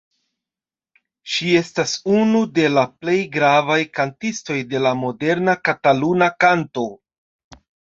Ŝi estas unu de la plej gravaj kantistoj de la moderna kataluna kanto.